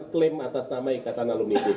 claim atas nama ikatan alumni itb